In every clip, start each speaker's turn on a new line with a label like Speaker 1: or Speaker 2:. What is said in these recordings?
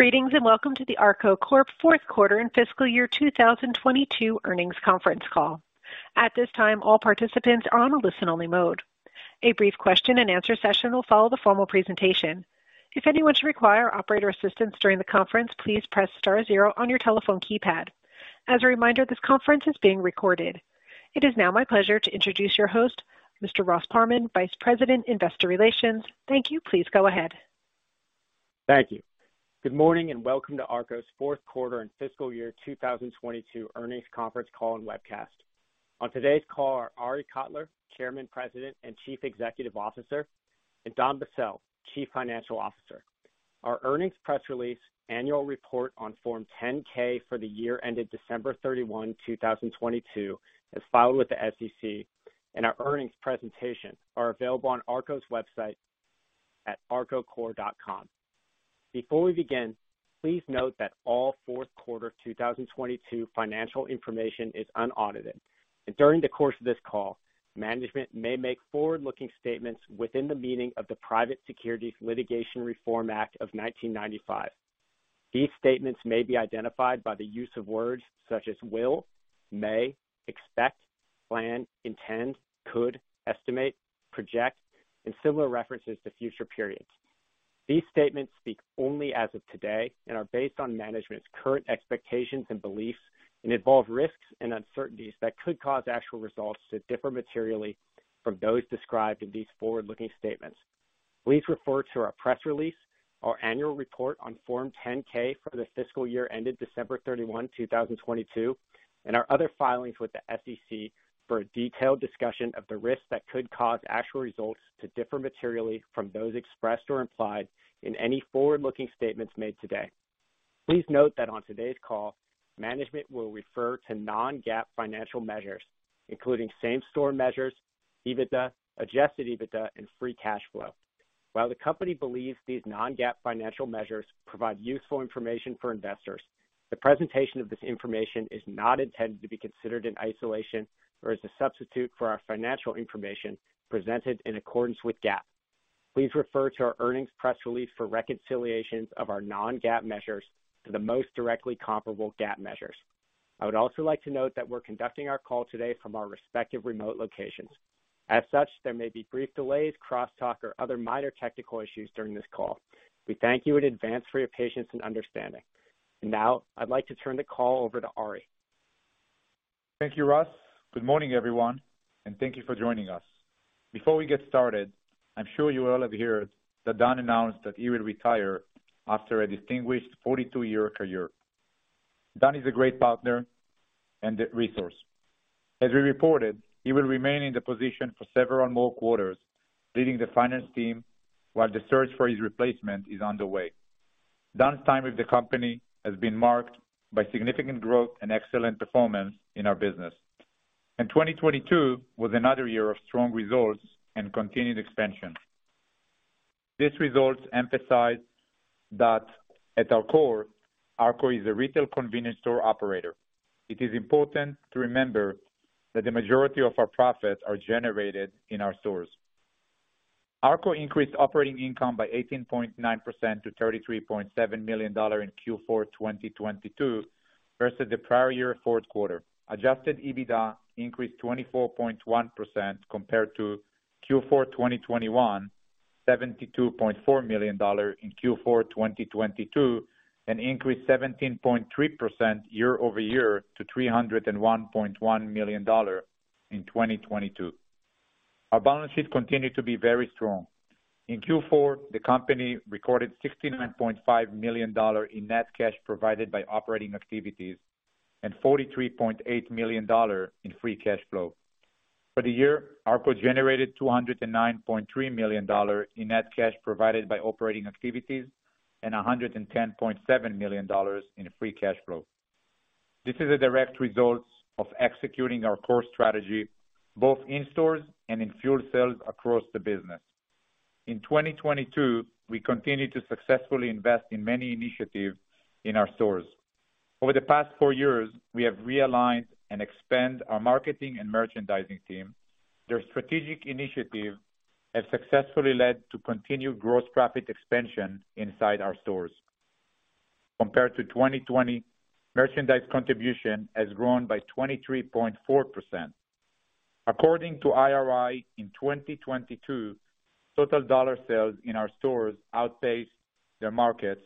Speaker 1: Greetings, Welcome to The ARKO Corp Fourth Quarter and Fiscal Year 2022 Earnings Conference Call. At this time, all participants are on a listen-only mode. A brief question-and-answer session will follow the formal presentation. If anyone should require operator assistance during the conference, please press star zero on your telephone keypad. As a reminder, this conference is being recorded. It is now my pleasure to introduce your host, Mr. Ross Parman, Vice President, Investor Relations. Thank you. Please go ahead.
Speaker 2: Thank you. Good morning and Welcome to ARKO's Fourth Quarter and Fiscal Year 2022 Earnings Conference Call and Webcast. On today's call are Arie Kotler, Chairman, President, and Chief Executive Officer, and Don Bassell, Chief Financial Officer. Our earnings press release annual report on Form 10-K for the year ended December 31, 2022, as filed with the SEC, and our earnings presentation are available on ARKO's website at ARKOcorp.com. Before we begin, please note that all fourth quarter 2022 financial information is unaudited. During the course of this call, management may make forward-looking statements within the meaning of the Private Securities Litigation Reform Act of 1995. These statements may be identified by the use of words such as will, may, expect, plan, intend, could, estimate, project, and similar references to future periods. These statements speak only as of today and are based on management's current expectations and beliefs and involve risks and uncertainties that could cause actual results to differ materially from those described in these forward-looking statements. Please refer to our press release, our annual report on Form 10-K for the fiscal year ended December 31, 2022, and our other filings with the SEC for a detailed discussion of the risks that could cause actual results to differ materially from those expressed or implied in any forward-looking statements made today. Please note that on today's call, management will refer to non-GAAP financial measures, including same-store measures, EBITDA, Adjusted EBITDA, and free cash flow. While the company believes these non-GAAP financial measures provide useful information for investors, the presentation of this information is not intended to be considered in isolation or as a substitute for our financial information presented in accordance with GAAP. Please refer to our earnings press release for reconciliations of our non-GAAP measures to the most directly comparable GAAP measures. I would also like to note that we're conducting our call today from our respective remote locations. There may be brief delays, crosstalk, or other minor technical issues during this call. We thank you in advance for your patience and understanding. I'd like to turn the call over to Arie.
Speaker 3: Thank you, Russ. Good morning, everyone, and thank you for joining us. Before we get started, I'm sure you all have heard that Don announced that he will retire after a distinguished 42-year career. Don is a great partner and a resource. As we reported, he will remain in the position for several more quarters, leading the finance team while the search for his replacement is underway. Don's time with the company has been marked by significant growth and excellent performance in our business. 2022 was another year of strong results and continued expansion. These results emphasize that at our core, ARKO is a retail convenience store operator. It is important to remember that the majority of our profits are generated in our stores. ARKO increased operating income by 18.9% to $33.7 million in Q4 2022 vs the prior year fourth quarter. Adjusted EBITDA increased 24.1% compared to Q4 2021, $72.4 million in Q4 2022, and increased 17.3% year-over-year to $301.1 million in 2022. Our balance sheet continued to be very strong. In Q4, the company recorded $69.5 million in net cash provided by operating activities and $43.8 million in free cash flow. For the year, ARKO generated $309.3 million in net cash provided by operating activities and a $110.7 million in free cash flow. This is a direct result of executing our core strategy, both in stores and in fuel sales across the business. In 2022, we continued to successfully invest in many initiatives in our stores. Over the past four years, we have realigned and expand our marketing and merchandising team. Their strategic initiatives have successfully led to continued gross profit expansion inside our stores. Compared to 2020, merchandise contribution has grown by 23.4%. According to IRI, in 2022, total dollar sales in our stores outpaced their markets,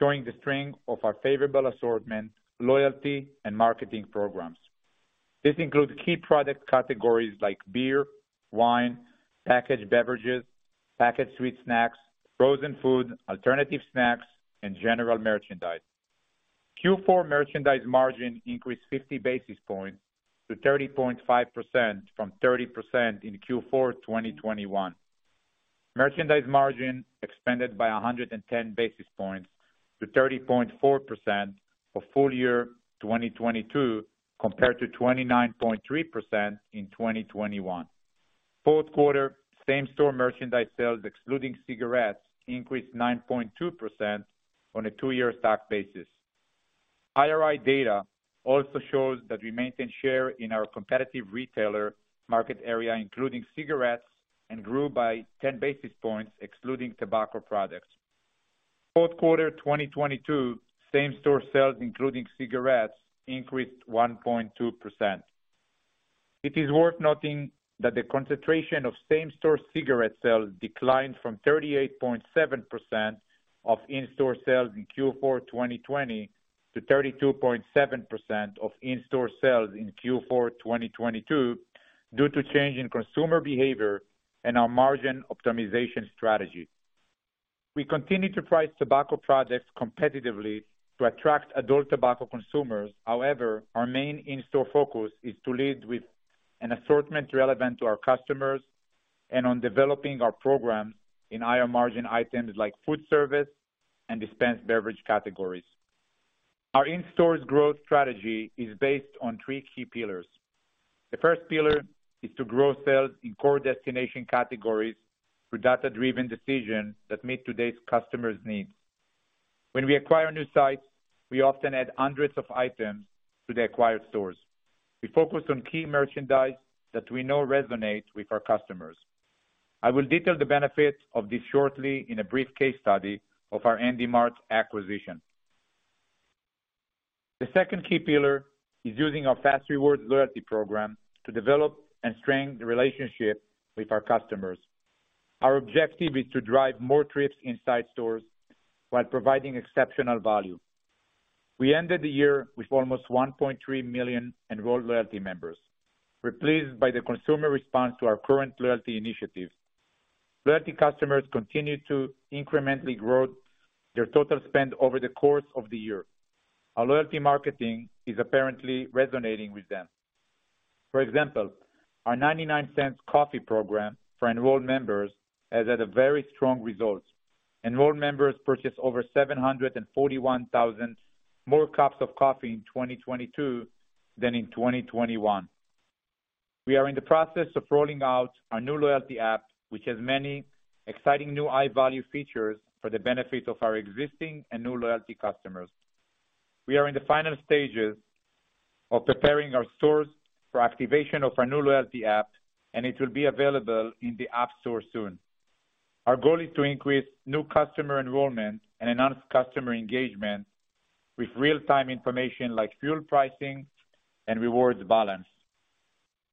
Speaker 3: showing the strength of our favorable assortment, loyalty, and marketing programs. This includes key product categories like beer, wine, packaged beverages, packaged sweet snacks, frozen food, alternative snacks, and general merchandise. Q4 merchandise margin increased 50 basis points to 30.5% from 30% in Q4 2021. Merchandise margin expanded by 110 basis points to 30.4% for full year 2022, compared to 29.3% in 2021. Fourth quarter same-store merchandise sales, excluding cigarettes, increased 9.2% on a two-year stock basis. IRI data also shows that we maintain share in our competitive retailer market area, including cigarettes, and grew by 10 basis points excluding tobacco products. Fourth quarter 2022, same-store sales, including cigarettes, increased 1.2%. It is worth noting that the concentration of same-store cigarette sales declined from 38.7% of in-store sales in Q4 2020 to 32.7% of in-store sales in Q4 2022 due to change in consumer behavior and our margin optimization strategy. We continue to price tobacco products competitively to attract adult tobacco consumers. Our main in-store focus is to lead with an assortment relevant to our customers and on developing our programs in higher margin items like food service and dispense beverage categories. Our in-store growth strategy is based on three key pillars. The first pillar is to grow sales in core destination categories through data-driven decisions that meet today's customers' needs. When we acquire new sites, we often add hundreds of items to the acquired stores. We focus on key merchandise that we know resonates with our customers. I will detail the benefits of this shortly in a brief case study of our Handy Mart acquisition. The second key pillar is using our fast REWARDS loyalty program to develop and strengthen the relationship with our customers. Our objective is to drive more trips inside stores while providing exceptional value. We ended the year with almost 1.3 million enrolled loyalty members. We're pleased by the consumer response to our current loyalty initiatives. Loyalty customers continued to incrementally grow their total spend over the course of the year. Our loyalty marketing is apparently resonating with them. For example, our $0.99 coffee program for enrolled members has had a very strong results. Enrolled members purchased over 741,000 more cups of coffee in 2022 than in 2021. We are in the process of rolling out our new loyalty app, which has many exciting new high-value features for the benefit of our existing and new loyalty customers. We are in the final stages of preparing our stores for activation of our new loyalty app, and it will be available in the App Store soon. Our goal is to increase new customer enrollment and enhance customer engagement with real-time information like fuel pricing and rewards balance.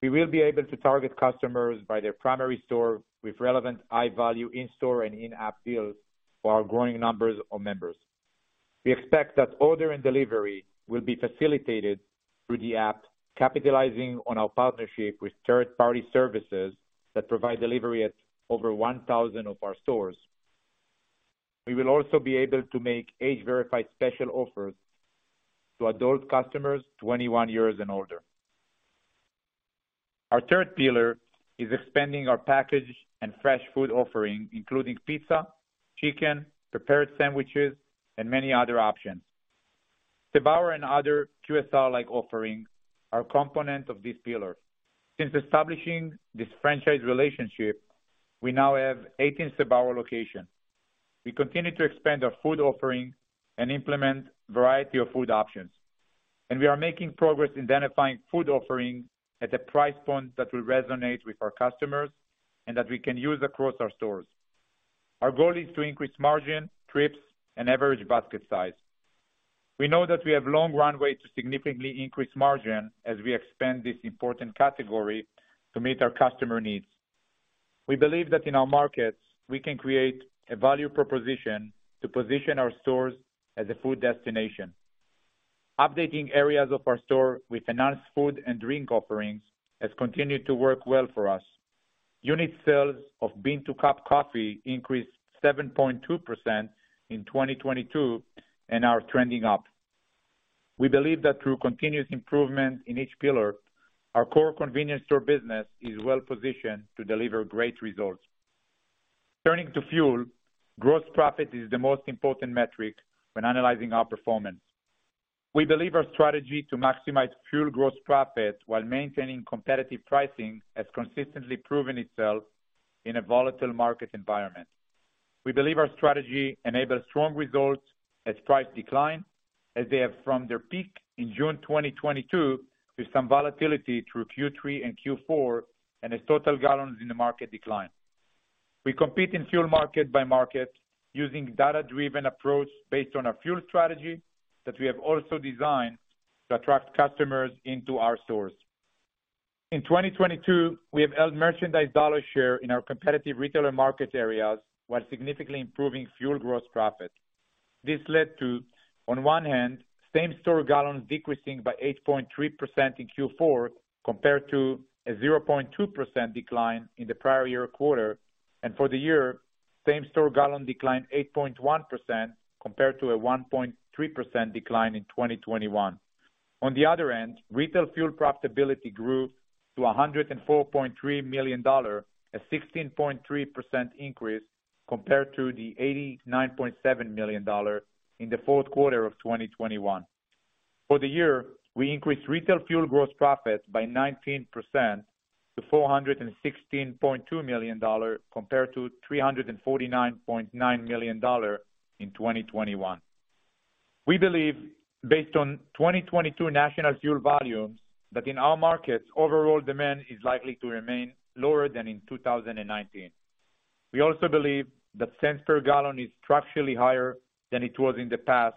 Speaker 3: We will be able to target customers by their primary store with relevant high value in-store and in-app deals for our growing numbers of members. We expect that order and delivery will be facilitated through the app, capitalizing on our partnership with third-party services that provide delivery at over 1,000 of our stores. We will also be able to make age-verified special offers to adult customers 21 years and older. Our third pillar is expanding our package and fresh food offerings, including pizza, chicken, prepared sandwiches, and many other options. Sbarro and other QSR-like offerings are a component of this pillar. Since establishing this franchise relationship, we now have 18 Sbarro locations. We continue to expand our food offerings and implement a variety of food options. We are making progress identifying food offerings at the price point that will resonate with our customers and that we can use across our stores. Our goal is to increase margin, trips, and average basket size. We know that we have long runway to significantly increase margin as we expand this important category to meet our customer needs. We believe that in our markets, we can create a value proposition to position our stores as a food destination. Updating areas of our store with enhanced food and drink offerings has continued to work well for us. Unit sales of bean-to-cup coffee increased 7.2% in 2022 and are trending up. We believe that through continuous improvement in each pillar, our core convenience store business is well-positioned to deliver great results. Turning to fuel, gross profit is the most important metric when analyzing our performance. We believe our strategy to maximize fuel gross profit while maintaining competitive pricing has consistently proven itself in a volatile market environment. We believe our strategy enables strong results as price decline as they have from their peak in June 2022, with some volatility through Q3 and Q4 and as total gallons in the market decline. We compete in fuel market by market using data-driven approach based on our fuel strategy that we have also designed to attract customers into our stores. In 2022, we have held merchandise dollar share in our competitive retailer market areas while significantly improving fuel gross profit. This led to, on one hand, same-store gallons decreasing by 8.3% in Q4 compared to a 0.2% decline in the prior year quarter. For the year, same-store gallon declined 8.1% compared to a 1.3% decline in 2021. On the other hand, Retail fuel profitability grew to $104.3 million, a 16.3% increase compared to the $89.7 million in the fourth quarter of 2021. For the year, we increased Retail fuel gross profit by 19% to $416.2 million compared to $349.9 million in 2021. We believe based on 2022 national fuel volumes that in our markets, overall demand is likely to remain lower than in 2019. We also believe that cents per gallon is structurally higher than it was in the past,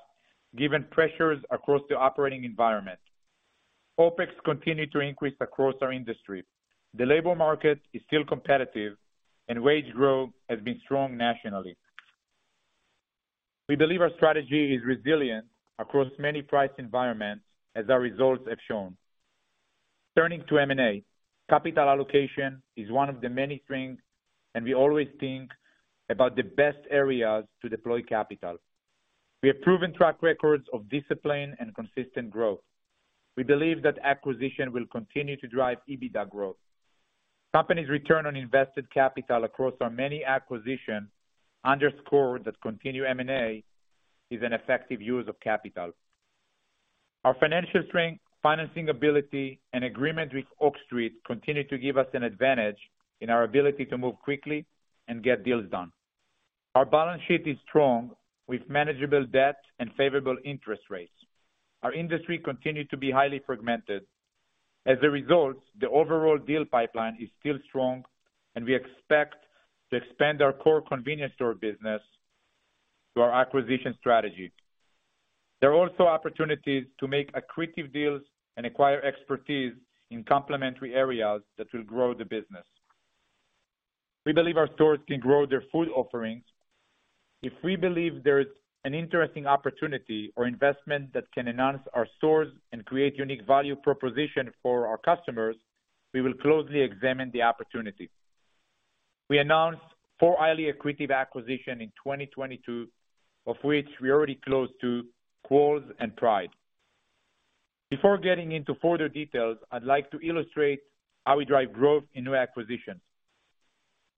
Speaker 3: given pressures across the operating environment. OpEx continue to increase across our industry. The labor market is still competitive and wage growth has been strong nationally. We believe our strategy is resilient across many price environments as our results have shown. Turning to M&A. Capital allocation is one of the many strengths, and we always think about the best areas to deploy capital. We have proven track records of discipline and consistent growth. We believe that acquisition will continue to drive EBITDA growth. Company's return on invested capital across our many acquisitions underscore that continued M&A is an effective use of capital. Our financial strength, financing ability and agreement with Oak Street continue to give us an advantage in our ability to move quickly and get deals done. Our balance sheet is strong, with manageable debt and favorable interest rates. Our industry continued to be highly fragmented. As a result, the overall deal pipeline is still strong, and we expect to expand our core convenience store business through our acquisition strategy. There are also opportunities to make accretive deals and acquire expertise in complementary areas that will grow the business. We believe our stores can grow their food offerings. If we believe there is an interesting opportunity or investment that can enhance our stores and create unique value proposition for our customers, we will closely examine the opportunity. We announced four highly accretive acquisition in 2022, of which we already closed two, Quarles and Pride. Before getting into further details, I'd like to illustrate how we drive growth in new acquisitions.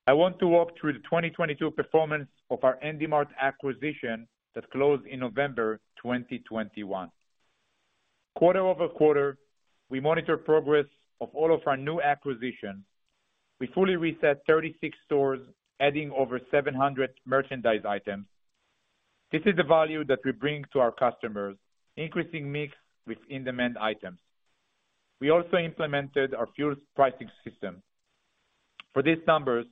Speaker 3: I want to walk through the 2022 performance of our Handy Mart acquisition that closed in November 2021. Quarter-over-quarter, we monitor progress of all of our new acquisitions. We fully reset 36 stores, adding over 700 merchandise items. This is the value that we bring to our customers, increasing mix with in-demand items. We also implemented our fuels pricing system. For these numbers,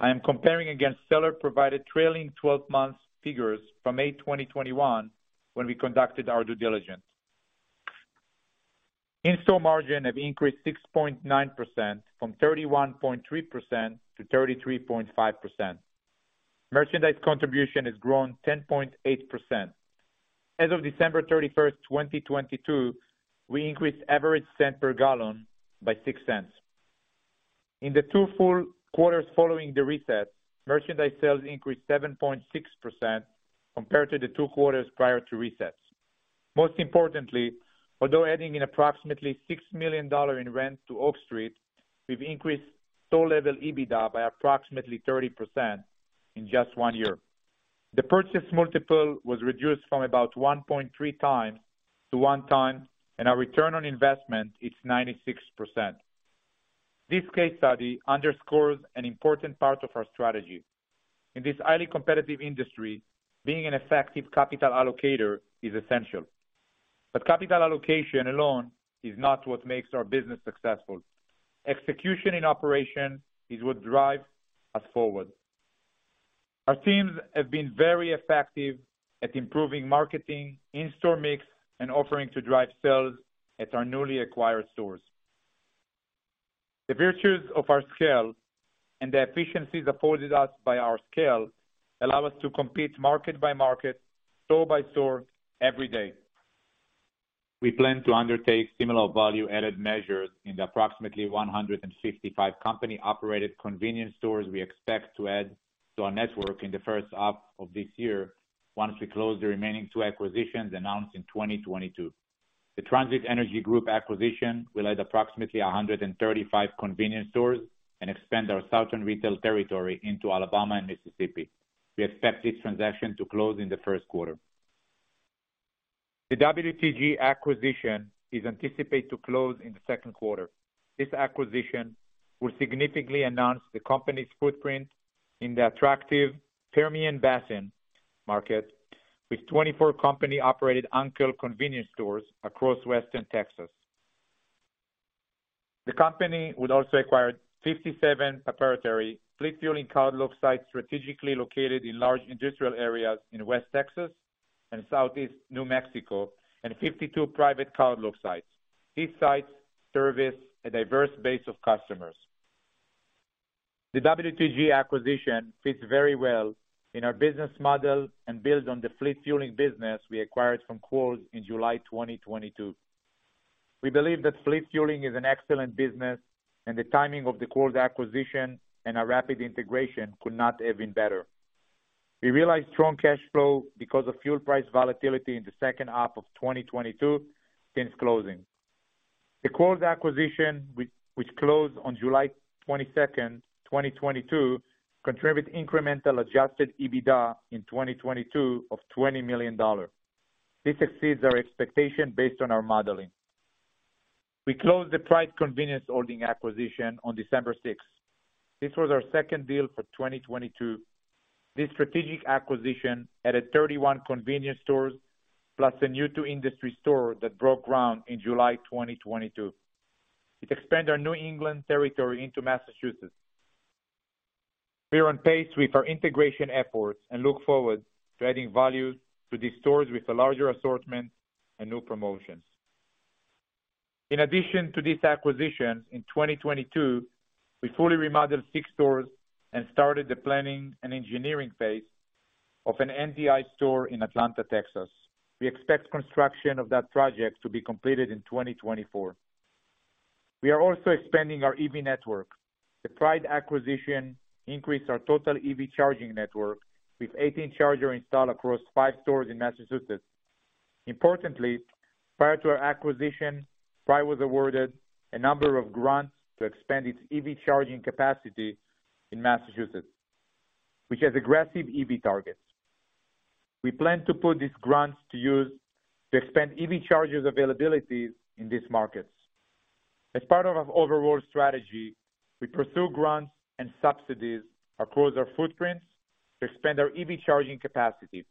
Speaker 3: I am comparing against seller-provided trailing 12 months figures from May 2021, when we conducted our due diligence. In-store margin have increased 6.9% from 31.3%-33.5%. Merchandise contribution has grown 10.8%. As of December 31, 2022, we increased average cent per gallon by $0.06. In the two full quarters following the reset, merchandise sales increased 7.6% compared to the two quarters prior to resets. Most importantly, although adding in approximately $6 million in rent to Oak Street, we've increased store level EBITDA by approximately 30% in just one year. The purchase multiple was reduced from about 1.3x to 1x, and our return on investment is 96%. This case study underscores an important part of our strategy. In this highly competitive industry, being an effective capital allocator is essential, but capital allocation alone is not what makes our business successful. Execution in operation is what drive us forward. Our teams have been very effective at improving marketing, in-store mix, and offering to drive sales at our newly acquired stores. The virtues of our scale and the efficiencies afforded us by our scale allow us to compete market by market, store by store, every day. We plan to undertake similar value-added measures in the approximately 155 company-operated convenience stores we expect to add to our network in the first half of this year once we close the remaining two acquisitions announced in 2022. The Transit Energy Group acquisition will add approximately 135 convenience stores and expand our southern retail territory into Alabama and Mississippi. We expect this transaction to close in the first quarter. The WTG acquisition is anticipated to close in the second quarter. This acquisition will significantly enhance the company's footprint in the attractive Permian Basin market, with 24 company-operated Uncle's Convenience Stores across West Texas. The company would also acquire 57 proprietary fleet fueling cardlock sites strategically located in large industrial areas in West Texas and Southeast New Mexico, and 52 private cardlock sites. These sites service a diverse base of customers. The WTG acquisition fits very well in our business model and builds on the fleet fueling business we acquired from Quarles in July 2022. We believe that fleet fueling is an excellent business. The timing of the Quarles acquisition and our rapid integration could not have been better. We realized strong cash flow because of fuel price volatility in the second half of 2022 since closing. The Quarles acquisition, which closed on July 22, 2022, contribute incremental Adjusted EBITDA in 2022 of $20 million. This exceeds our expectation based on our modeling. We closed the Pride Convenience Holdings acquisition on December 6. This was our second deal for 2022. This strategic acquisition added 31 convenience stores plus a new-to-industry store that broke ground in July 2022. It expanded our New England territory into Massachusetts. We are on pace with our integration efforts and look forward to adding value to these stores with a larger assortment and new promotions. In addition to this acquisition, in 2022, we fully remodeled six stores and started the planning and engineering phase of an NTI store in Atlanta, Texas. We expect construction of that project to be completed in 2024. We are also expanding our EV network. The Pride acquisition increased our total EV charging network with 18 charger install across five stores in Massachusetts. Importantly, prior to our acquisition, Pride was awarded a number of grants to expand its EV charging capacity in Massachusetts, which has aggressive EV targets. We plan to put these grants to use to expand EV chargers availability in these markets. As part of our overall strategy, we pursue grants and subsidies across our footprints to expand our EV charging capacity.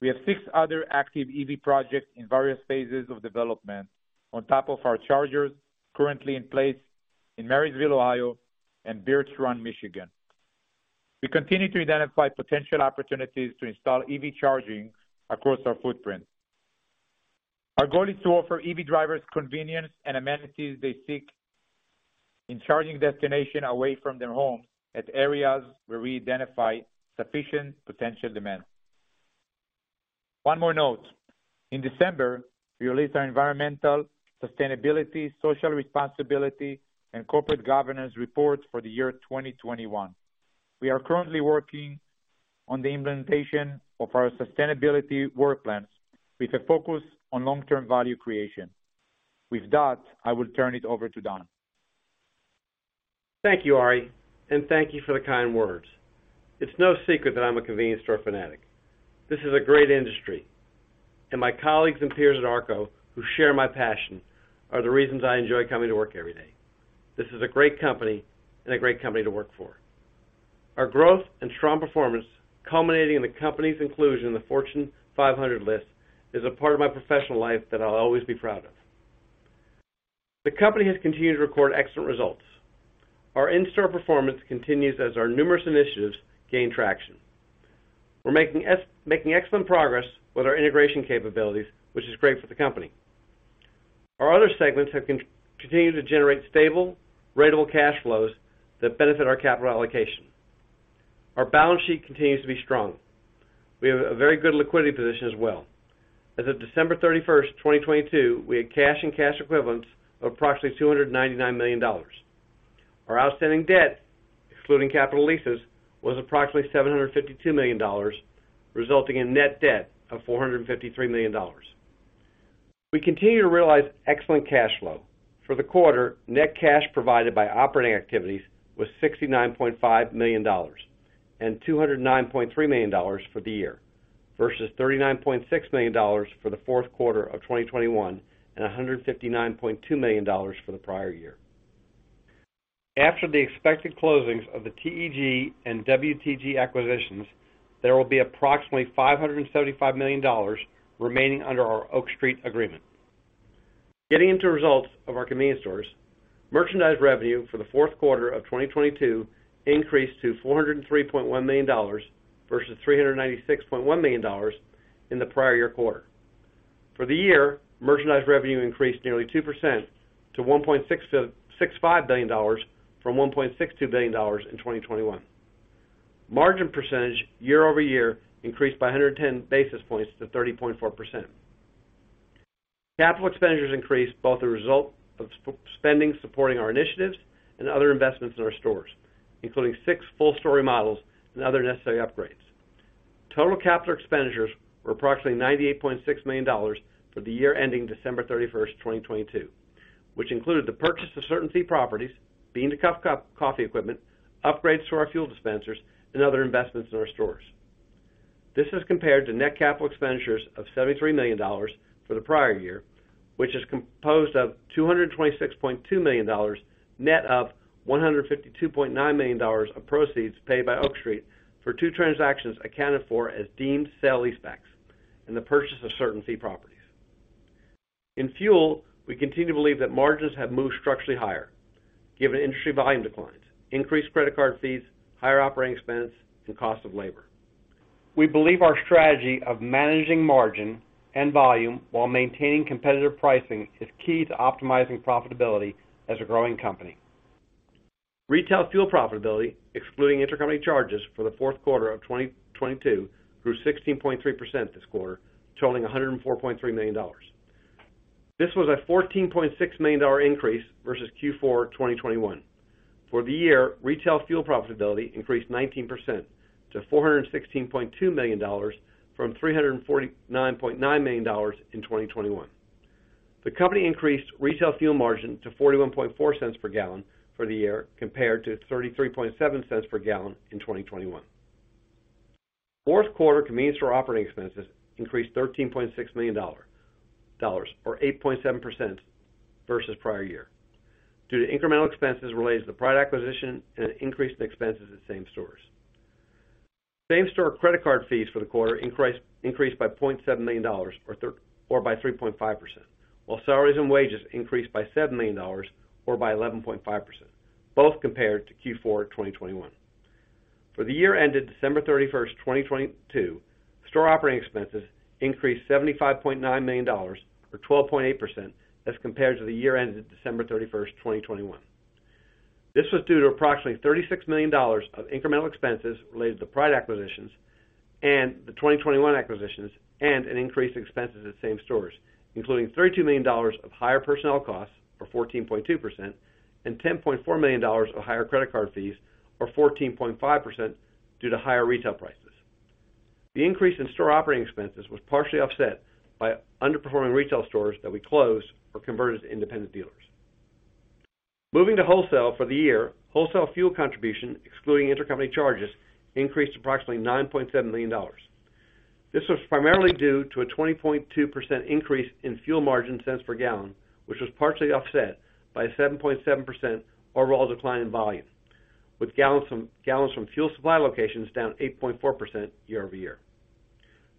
Speaker 3: We have six other active EV projects in various phases of development on top of our chargers currently in place in Marysville, Ohio, and Birch Run, Michigan. We continue to identify potential opportunities to install EV charging across our footprint. Our goal is to offer EV drivers convenience and amenities they seek in charging destination away from their homes at areas where we identify sufficient potential demand. One more note. In December, we released our environmental sustainability, social responsibility, and corporate governance report for the year 2021. We are currently working on the implementation of our sustainability work plans with a focus on long-term value creation. With that, I will turn it over to Don.
Speaker 4: Thank you, Arie. Thank you for the kind words. It's no secret that I'm a convenience store fanatic. This is a great industry. My colleagues and peers at ARKO who share my passion are the reasons I enjoy coming to work every day. This is a great company and a great company to work for. Our growth and strong performance culminating in the company's inclusion in the Fortune 500 list is a part of my professional life that I'll always be proud of. The company has continued to record excellent results. Our in-store performance continues as our numerous initiatives gain traction. We're making excellent progress with our integration capabilities, which is great for the company. Our other segments have continued to generate stable ratable cash flows that benefit our capital allocation. Our balance sheet continues to be strong. We have a very good liquidity position as well. As of December 31st, 2022, we had cash and cash equivalents of approximately $299 million. Our outstanding debt, excluding capital leases, was approximately $752 million, resulting in net debt of $453 million. We continue to realize excellent cash flow. For the quarter, net cash provided by operating activities was $69.5 million and $209.3 million for the year, vs $39.6 million for the fourth quarter of 2021 and $159.2 million for the prior year. After the expected closings of the TEG and WTG acquisitions, there will be approximately $575 million remaining under our Oak Street agreement. Getting into results of our convenience stores. Merchandise revenue for the fourth quarter of 2022 increased to $403.1 million vs $396.1 million in the prior year quarter. For the year, merchandise revenue increased nearly 2% to $1.65 billion from $1.62 billion in 2021. Margin % year-over-year increased by 110 basis points to 30.4%. Capital expenditures increased both the result of spending supporting our initiatives and other investments in our stores, including six full story models and other necessary upgrades. Total capital expenditures were approximately $98.6 million for the year ending December 31st, 2022, which included the purchase of CertainTeed properties, bean-to-cup coffee equipment, upgrades to our fuel dispensers and other investments in our stores. This is compared to net capital expenditures of $73 million for the prior year, which is composed of $226.2 million, net of $152.9 million of proceeds paid by Oak Street for two transactions accounted for as deemed sale lease backs and the purchase of CertainTeed properties. In fuel, we continue to believe that margins have moved structurally higher given industry volume declines, increased credit card fees, higher operating expense and cost of labor. We believe our strategy of managing margin and volume while maintaining competitive pricing is key to optimizing profitability as a growing company. Retail fuel profitability, excluding intercompany charges for the fourth quarter of 2022 grew 16.3% this quarter, totaling $104.3 million. This was a $14.6 million increase vs Q4 2021. For the year, Retail fuel profitability increased 19% to $416.2 million from $349.9 million in 2021. The company increased Retail fuel margin to $0.414 per gallon for the year compared to $0.337 per gallon in 2021. Fourth quarter convenience store operating expenses increased $13.6 million, or 8.7% vs prior year due to incremental expenses related to the Pride acquisition and an increase in expenses at same stores. Same store credit card fees for the quarter increased by $0.7 million or by 3.5%, while salaries and wages increased by $7 million or by 11.5%, both compared to Q4 2021. For the year ended December 31st, 2022, store operating expenses increased $75.9 million or 12.8% as compared to the year ended December 31st, 2021. This was due to approximately $36 million of incremental expenses related to Pride acquisitions and the 2021 acquisitions and an increase in expenses at same stores, including $32 million of higher personnel costs, or 14.2%, and $10.4 million of higher credit card fees, or 14.5% due to higher Retail prices. The increase in store operating expenses was partially offset by underperforming Retail stores that we closed or converted to independent dealers. Moving to Wholesale for the year, Wholesale fuel contribution, excluding intercompany charges, increased approximately $9.7 million. This was primarily due to a 20.2% increase in fuel margin cents per gallon, which was partially offset by a 7.7% overall decline in volume, with gallons from fuel supply locations down 8.4% year-over-year.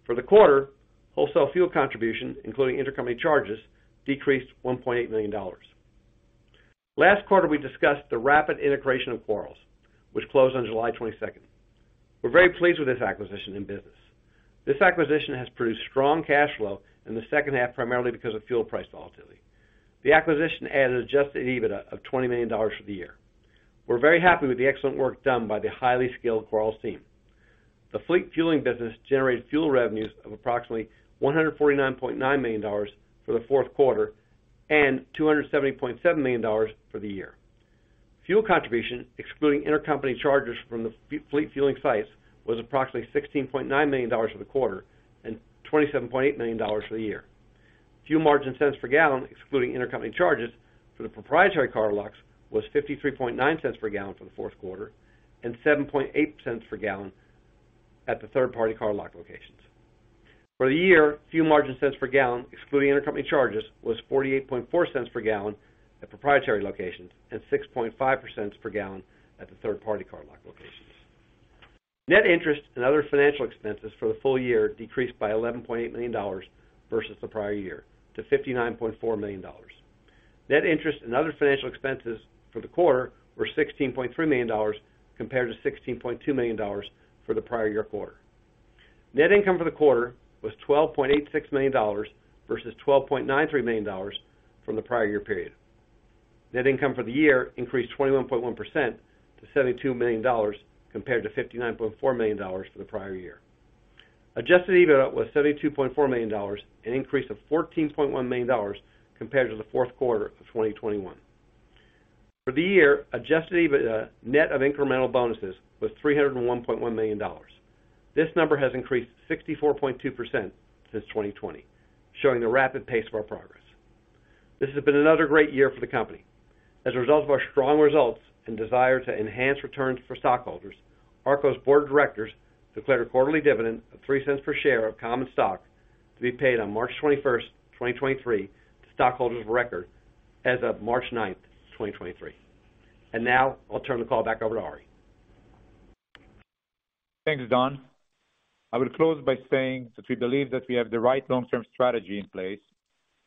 Speaker 4: For the quarter, Wholesale fuel contribution, including intercompany charges, decreased $1.8 million. Last quarter, we discussed the rapid integration of Quarles, which closed on July 22nd. We're very pleased with this acquisition and business. This acquisition has produced strong cash flow in the second half, primarily because of fuel price volatility. The acquisition added Adjusted EBITDA of $20 million for the year. We're very happy with the excellent work done by the highly skilled Quarles team. The fleet fueling business generated fuel revenues of approximately $149.9 million for the fourth quarter and $270.7 million for the year. Fuel contribution, excluding intercompany charges from the fleet fueling sites, was approximately $16.9 million for the quarter and $27.8 million for the year. Fuel margin cents per gallon, excluding intercompany charges for the proprietary cardlocks, was $0.539 per gallon for the fourth quarter and $0.078 per gallon at the third-party cardlock locations. For the year, fuel margin cents per gallon, excluding intercompany charges, was $0.484 per gallon at proprietary locations and $0.065 per gallon at the third-party cardlock locations. Net interest and other financial expenses for the full year decreased by $11.8 million vs the prior year to $59.4 million. Net interest and other financial expenses for the quarter were $16.3 million compared to $16.2 million for the prior year quarter. Net income for the quarter was $12.86 million vs $12.93 million from the prior year period. Net income for the year increased 21.1% to $72 million compared to $59.4 million for the prior year. Adjusted EBITDA was $72.4 million, an increase of $14.1 million compared to the fourth quarter of 2021. For the year, Adjusted EBITDA, net of incremental bonuses, was $301.1 million. This number has increased 64.2% since 2020, showing the rapid pace of our progress. This has been another great year for the company. As a result of our strong results and desire to enhance returns for stockholders, ARKO's board of directors declared a quarterly dividend of $0.03 per share of common stock to be paid on March 21st, 2023 to stockholders of record as of March 9th, 2023. Now I'll turn the call back over to Arie.
Speaker 3: Thanks, Don. I will close by saying that we believe that we have the right long-term strategy in place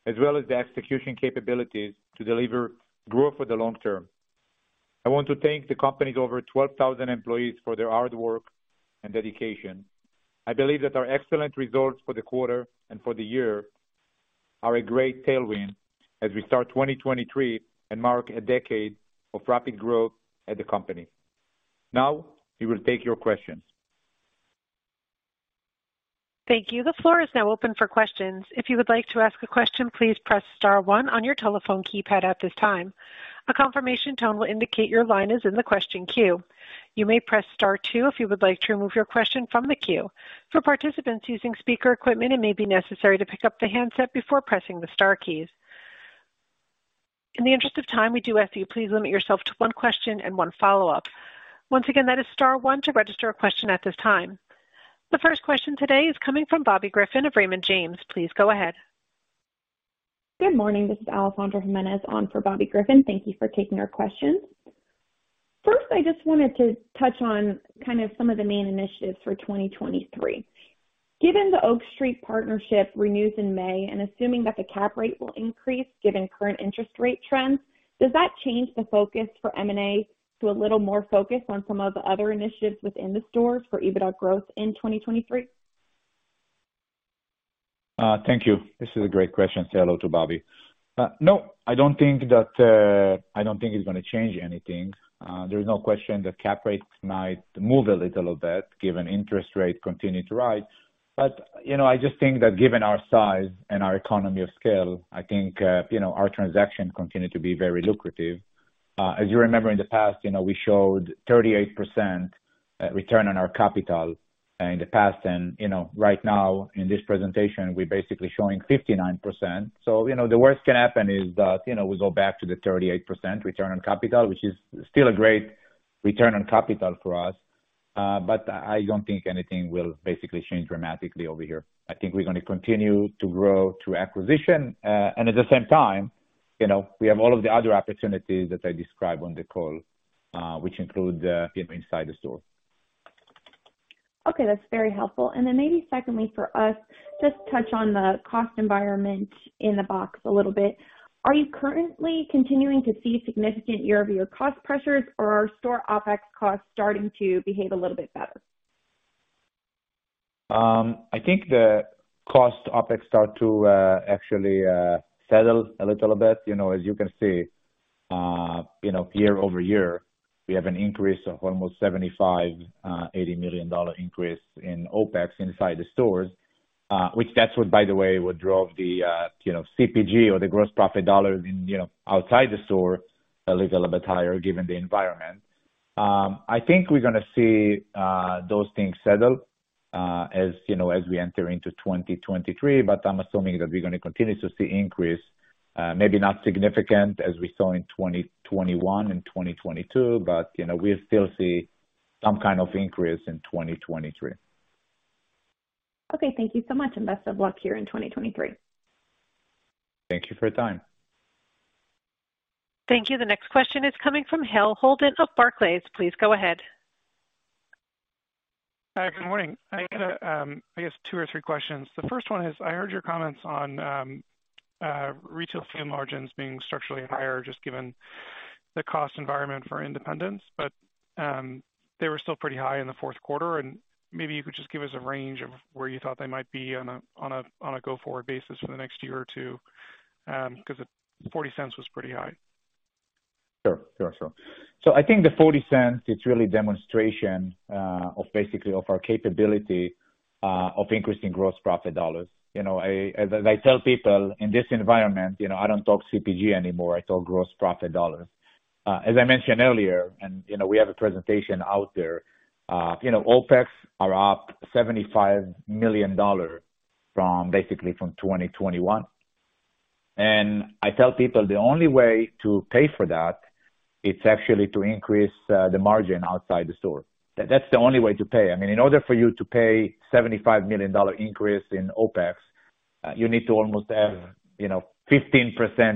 Speaker 3: as well as the execution capabilities to deliver growth for the long term. I want to thank the company's over 12,000 employees for their hard work and dedication. I believe that our excellent results for the quarter and for the year are a great tailwind as we start 2023 and mark a decade of rapid growth at the company. Now we will take your questions.
Speaker 1: Thank you. The floor is now open for questions. If you would like to ask a question, please press star one on your telephone keypad at this time. A confirmation tone will indicate your line is in the question queue. You may press star two if you would like to remove your question from the queue. For participants using speaker equipment, it may be necessary to pick up the handset before pressing the star keys. In the interest of time, we do ask you please limit yourself to one question and one follow-up. Once again, that is star one to register a question at this time. The first question today is coming from Bobby Griffin of Raymond James. Please go ahead.
Speaker 5: Good morning. This is Alessandra Jimenez on for Bobby Griffin. Thank you for taking our questions. First, I just wanted to touch on kind of some of the main initiatives for 2023. Given the Oak Street partnership renews in May, and assuming that the cap rate will increase given current interest rate trends, does that change the focus for M&A to a little more focus on some of the other initiatives within the stores for EBITDA growth in 2023?
Speaker 3: Thank you. This is a great question. Say hello to Bobby. No, I don't think that I don't think it's gonna change anything. There is no question that cap rates might move a little bit given interest rates continue to rise. You know, I just think that given our size and our economy of scale, I think, you know, our transaction continue to be very lucrative. As you remember in the past, you know, we showed 38% return on our capital in the past. You know, right now in this presentation, we're basically showing 59%. You know, the worst can happen is that, you know, we go back to the 38% return on capital, which is still a great return on capital for us. I don't think anything will basically change dramatically over here. I think we're gonna continue to grow through acquisition. At the same time, you know, we have all of the other opportunities that I described on the call, which include, inside the store.
Speaker 5: Okay. That's very helpful. Maybe secondly, for us, just touch on the cost environment in the box a little bit. Are you currently continuing to see significant year-over-year cost pressures or are store OpEx costs starting to behave a little bit better?
Speaker 3: I think the cost OpEx start to actually settle a little bit. You know, as you can see, you know, year-over-year, we have an increase of almost $75 million-$80 million increase in OpEx inside the stores, which that's what, by the way, what drove the, you know, CPG or the gross profit dollars in, you know, outside the store a little bit higher given the environment. I think we're gonna see those things settle as, you know, as we enter into 2023, but I'm assuming that we're gonna continue to see increase, maybe not significant as we saw in 2021 and 2022, but, you know, we'll still see some kind of increase in 2023.
Speaker 5: Okay. Thank you so much, and best of luck here in 2023.
Speaker 3: Thank you for your time.
Speaker 1: Thank you. The next question is coming from Hale Holden of Barclays. Please go ahead.
Speaker 6: Hi. Good morning. I got, I guess two or three questions. The first one is, I heard your comments on Retail fuel margins being structurally higher just given the cost environment for independents, but they were still pretty high in the fourth quarter. Maybe you could just give us a range of where you thought they might be on a go-forward basis for the next year or two, 'cause the $0.40 was pretty high.
Speaker 3: Sure. Sure. Sure. I think the $0.40, it's really demonstration of basically of our capability of increasing gross profit dollars. You know, as I tell people in this environment, you know, I don't talk CPG anymore, I talk gross profit dollars. As I mentioned earlier, you know, we have a presentation out there, you know, OpEx are up $75 million from basically from 2021. I tell people the only way to pay for that, it's actually to increase the margin outside the store. That's the only way to pay. I mean, in order for you to pay $75 million increase in OpEx, you need to almost have, you know, 15%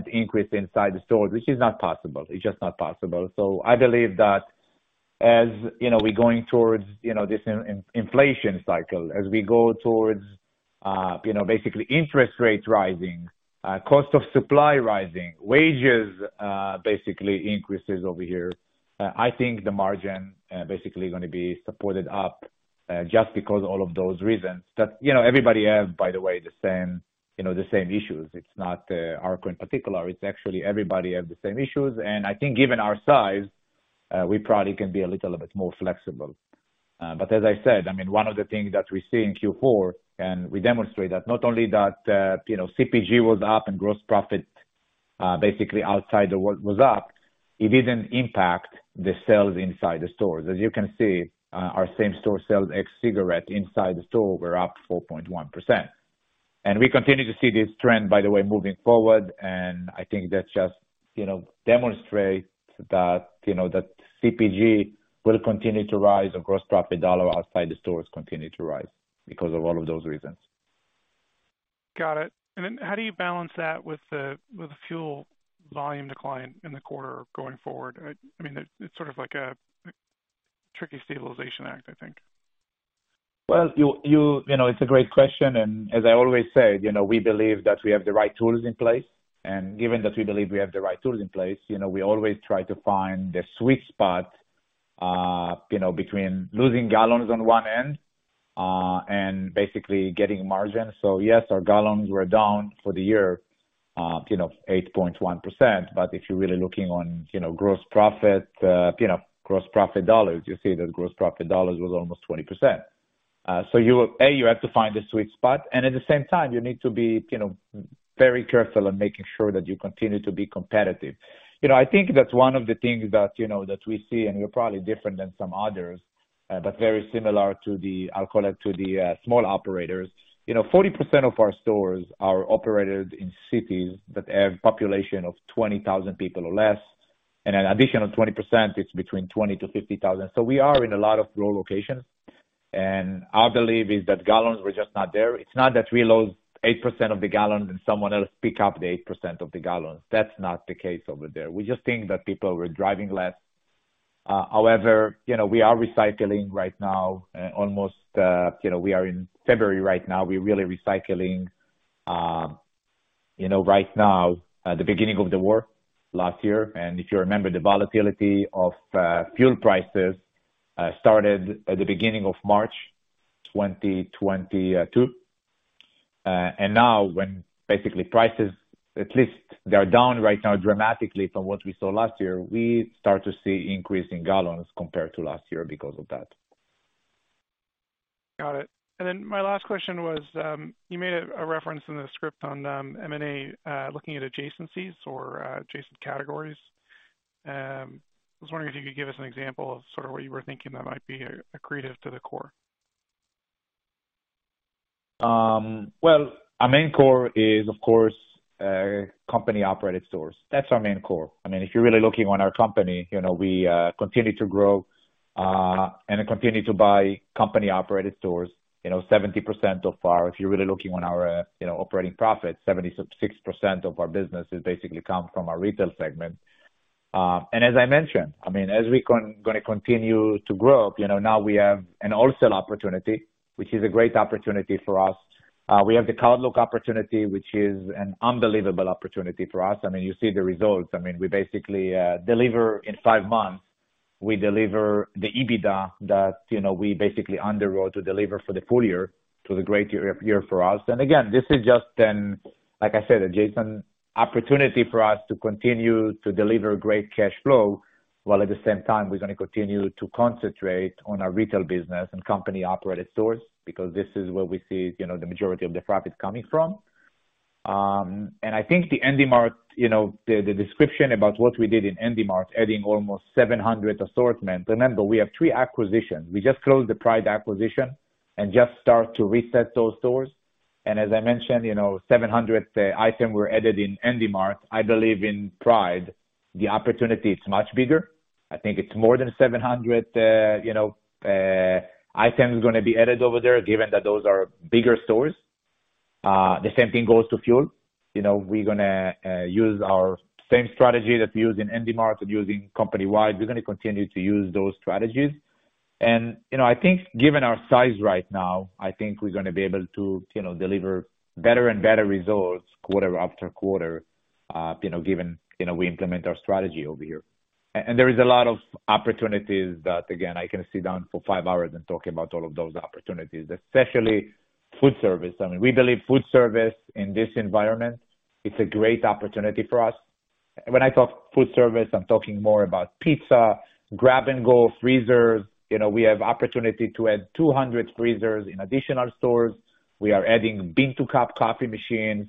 Speaker 3: increase inside the store, which is not possible. It's just not possible. I believe that as, you know, we're going towards, you know, this inflation cycle, as we go towards, you know, basically interest rates rising, cost of supply rising, wages, basically increases over here, I think the margin basically gonna be supported up just because all of those reasons. That, you know, everybody has, by the way, the same issues. It's not ARKO in particular. It's actually everybody have the same issues. I think given our size, we probably can be a little bit more flexible. As I said, I mean, one of the things that we see in Q4, and we demonstrate that not only that, you know, CPG was up and gross profit, basically outside the wall was up, it didn't impact the sales inside the stores. As you can see, our same-store sales ex cigarette inside the store were up 4.1%. We continue to see this trend, by the way, moving forward, and I think that just, you know, demonstrates that, you know, that CPG will continue to rise and gross profit dollar outside the stores continue to rise because of all of those reasons.
Speaker 6: Got it. Then how do you balance that with the, with the fuel volume decline in the quarter going forward? I mean, it's sort of like a tricky stabilization act, I think.
Speaker 3: Well, you know, it's a great question, as I always said, you know, we believe that we have the right tools in place. Given that we believe we have the right tools in place, you know, we always try to find the sweet spot, you know, between losing gallons on one end, and basically getting margin. Yes, our gallons were down for the year, you know, 8.1%. If you're really looking on, you know, gross profit, you know, gross profit dollars, you'll see that gross profit dollars was almost 20%. You have to find the sweet spot, and at the same time, you need to be, you know, very careful in making sure that you continue to be competitive. You know, I think that's one of the things that, you know, that we see and we're probably different than some others, but very similar to the, I'll call it, to the small operators. You know, 40% of our stores are operated in cities that have population of 20,000 people or less, and an additional 20%, it's between 20,000-50,000. We are in a lot of rural locations. Our belief is that gallons were just not there. It's not that we lost 8% of the gallons and someone else pick up the 8% of the gallons. That's not the case over there. We just think that people were driving less. However, you know, we are recycling right now, almost, you know, we are in February right now. We're really recycling, you know, right now at the beginning of the war last year. If you remember the volatility of fuel prices started at the beginning of March 2022. Now when basically prices, at least they are down right now dramatically from what we saw last year, we start to see increase in gallons compared to last year because of that.
Speaker 6: Got it. My last question was, you made a reference in the script on M&A, looking at adjacencies or adjacent categories. I was wondering if you could give us an example of sort of what you were thinking that might be accretive to the core?
Speaker 3: Well, our main core is of course, company-operated stores. That's our main core. I mean, if you're really looking on our company, you know, we continue to grow and continue to buy company-operated stores. You know, 70% so far. If you're really looking on our, you know, operating profit, 76% of our business is basically come from our Retail segment. As I mentioned, I mean, as we gonna continue to grow, you know, now we have an Wholesale opportunity, which is a great opportunity for us. We have the cardlock opportunity, which is an unbelievable opportunity for us. I mean, you see the results. I mean, we basically deliver in five months, we deliver the EBITDA that, you know, we basically underwrote to deliver for the full year to the great year for us. Again, this is just an, like I said, adjacent opportunity for us to continue to deliver great cash flow, while at the same time we're gonna continue to concentrate on our Retail business and company-operated stores because this is where we see, you know, the majority of the profits coming from. I think the Handy Mart, you know, the description about what we did in Handy Mart, adding almost 700 assortment. Remember, we have three acquisitions. We just closed the Pride acquisition and just start to reset those stores. As I mentioned, you know, 700 item were added in Handy Mart. I believe in Pride, the opportunity is much bigger. I think it's more than 700, you know, items gonna be added over there, given that those are bigger stores. The same thing goes to fuel. You know, we're gonna use our same strategy that we used in Handy Mart and using company-wide. We're gonna continue to use those strategies. You know, I think given our size right now, I think we're gonna be able to, you know, deliver better and better results quarter after quarter, you know, given, you know, we implement our strategy over here. There is a lot of opportunities that, again, I can sit down for five hours and talk about all of those opportunities, especially food service. I mean, we believe food service in this environment, it's a great opportunity for us. When I talk food service, I'm talking more about pizza, grab-and-go, freezers. You know, we have opportunity to add 200 freezers in additional stores. We are adding bean-to-cup coffee machines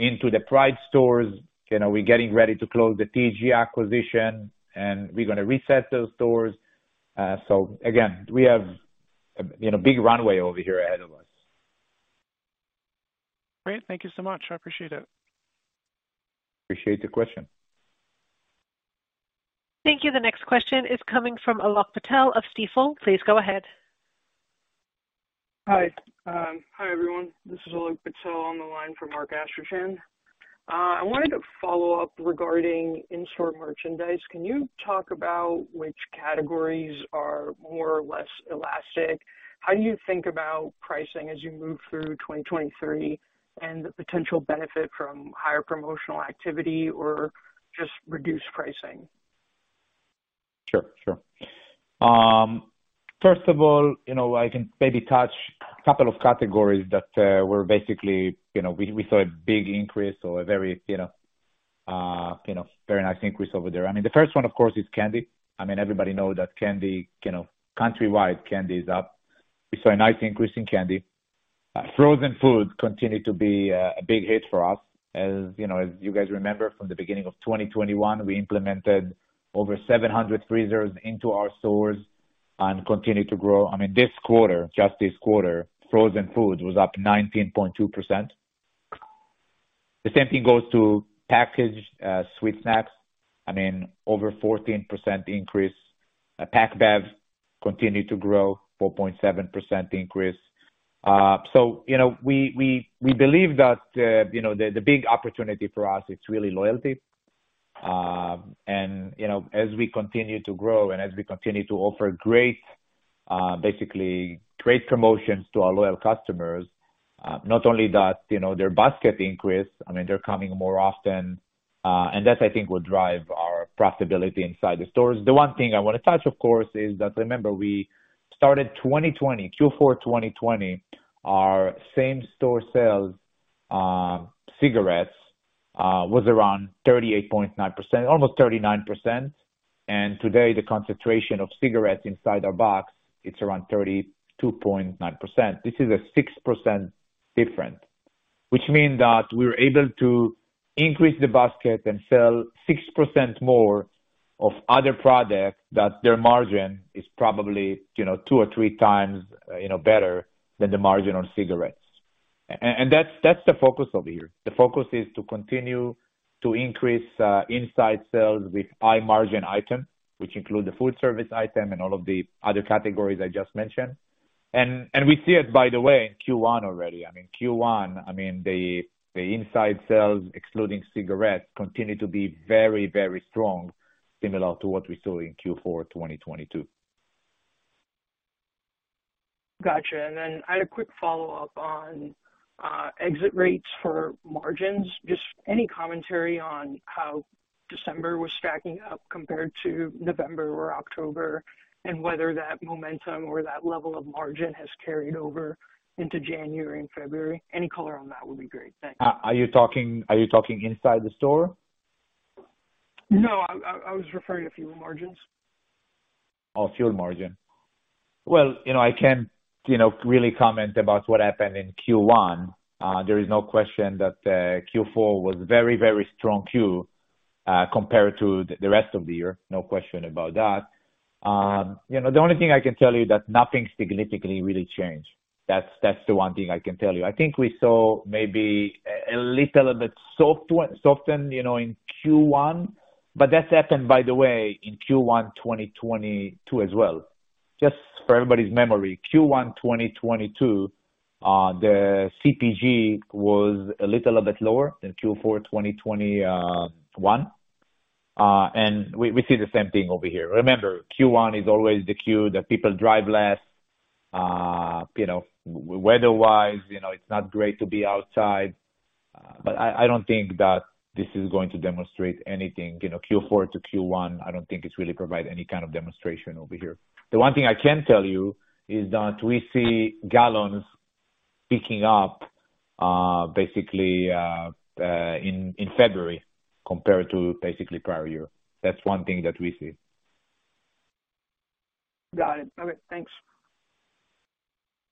Speaker 3: into the Pride stores. You know, we're getting ready to close the TEG acquisition. We're gonna reset those stores. Again, we have, you know, big runway over here ahead of us.
Speaker 6: Great. Thank you so much. I appreciate it.
Speaker 3: Appreciate the question.
Speaker 1: Thank you. The next question is coming from Alok Patel of Stifel. Please go ahead.
Speaker 7: Hi, everyone. This is Alok Patel on the line for Mark Astrachan. I wanted to follow up regarding in-store merchandise. Can you talk about which categories are more or less elastic? How do you think about pricing as you move through 2023 and the potential benefit from higher promotional activity or just reduced pricing?
Speaker 3: Sure. Sure. First of all, I can maybe touch a couple of categories that we're basically, we saw a big increase or a very nice increase over there. The first one, of course, is candy. Everybody know that candy, countrywide candy is up. We saw a nice increase in candy. Frozen foods continued to be a big hit for us. As you guys remember from the beginning of 2021, we implemented over 700 freezers into our stores and continued to grow. This quarter, just this quarter, frozen foods was up 19.2%. The same thing goes to packaged sweet snacks. Over 14% increase. Packaged Beverages continued to grow, 4.7% increase. You know, we believe that, you know, the big opportunity for us is really loyalty. You know, as we continue to grow and as we continue to offer great, basically great promotions to our loyal customers, not only that, you know, their basket increase, I mean, they're coming more often, and that I think will drive our profitability inside the stores. The one thing I wanna touch of course is that remember we started 2020, Q4 2020, our same-store sales on cigarettes was around 38.9%, almost 39%. Today, the concentration of cigarettes inside our box, it's around 32.9%. This is a 6% different, which mean that we're able to increase the basket and sell 6% more of other products that their margin is probably, you know, two or three times, you know, better than the margin on cigarettes. That's the focus over here. The focus is to continue to increase inside sales with high margin items, which include the food service item and all of the other categories I just mentioned. We see it, by the way, in Q1 already. I mean, Q1, I mean, the inside sales excluding cigarettes continue to be very, very strong, similar to what we saw in Q4 2022.
Speaker 7: Got you. I had a quick follow-up on exit rates for margins. Just any commentary on how December was stacking up compared to November or October, and whether that momentum or that level of margin has carried over into January and February. Any color on that would be great. Thanks.
Speaker 3: Are you talking inside the store?
Speaker 7: No, I was referring to fuel margins.
Speaker 3: Oh, fuel margin. Well, you know, I can't, you know, really comment about what happened in Q1. There is no question that Q4 was very, very strong Q compared to the rest of the year. No question about that. You know, the only thing I can tell you that nothing significantly really changed. That's the one thing I can tell you. I think we saw maybe a little bit soften, you know, in Q1, but that's happened by the way in Q1 2022 as well. Just for everybody's memory, Q1 2022, the CPG was a little bit lower than Q4 2021. We see the same thing over here. Remember, Q1 is always the Q that people drive less. You know, weather wise, you know, it's not great to be outside. I don't think that this is going to demonstrate anything, you know, Q4 to Q1, I don't think it's really provide any kind of demonstration over here. The one thing I can tell you is that we see gallons picking up, basically, in February compared to basically prior year. That's one thing that we see.
Speaker 7: Got it. All right, thanks.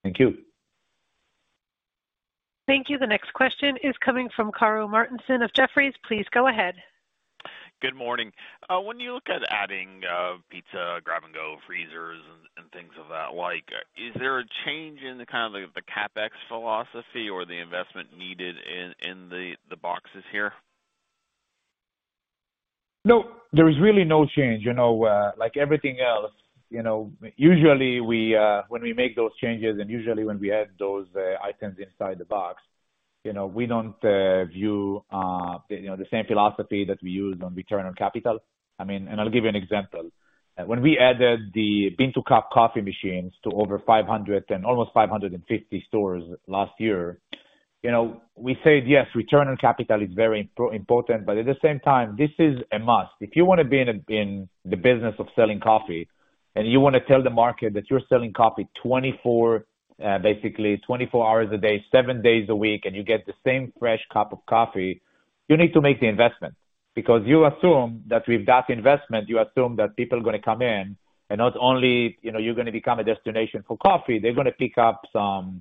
Speaker 3: Thank you.
Speaker 1: Thank you. The next question is coming from Karru Martinson of Jefferies. Please go ahead.
Speaker 8: Good morning. When you look at adding pizza, grab-and-go freezers and things of that like, is there a change in the kind of the CapEx philosophy or the investment needed in the boxes here?
Speaker 3: No, there is really no change. You know, like everything else, you know, usually we, when we make those changes, and usually when we add those items inside the box, you know, we don't view, you know, the same philosophy that we use on return on capital. I mean, I'll give you an example. When we added the bean-to-cup coffee machines to over 500 and almost 550 stores last year, you know, we said, yes, return on capital is very important, but at the same time, this is a must. If you wanna be in a in the business of selling coffee, and you wanna tell the market that you're selling coffee 24, basically 24 hours a day, seven days a week, and you get the same fresh cup of coffee, you need to make the investment. Because you assume that with that investment, you assume that people are gonna come in, and not only, you know, you're gonna become a destination for coffee, they're gonna pick up some